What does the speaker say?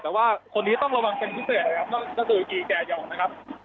แต่ว่าคนนี้ต้องระวังเป็นพิเศษนะครับนั่นก็คือกี่แก่องนะครับ